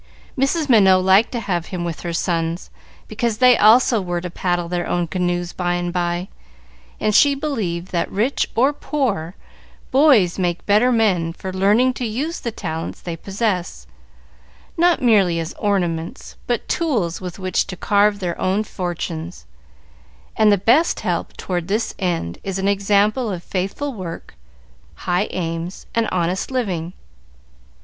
Mrs. Minot liked to have him with her sons, because they also were to paddle their own canoes by and by, and she believed that, rich or poor, boys make better men for learning to use the talents they possess, not merely as ornaments, but tools with which to carve their own fortunes; and the best help toward this end is an example of faithful work, high aims, and honest living.